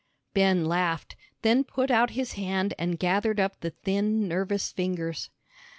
Ben laughed, then put out his hand and gathered up the thin nervous fingers.